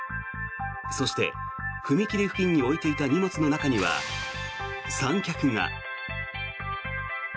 そして、踏切付近に置いていた荷物の中には三脚が。